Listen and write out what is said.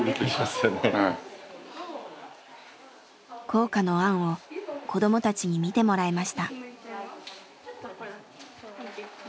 校歌の案を子どもたちに見てもらいました。